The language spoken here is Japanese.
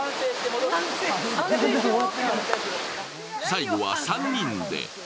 最後は３人で。